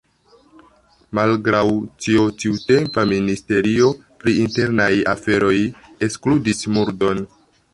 Malgraŭ tio tiutempa ministerio pri internaj aferoj ekskludis murdon.